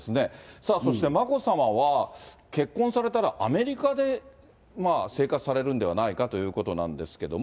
さあ、そして眞子さまは、結婚されたらアメリカで生活されるんではないかということなんですが。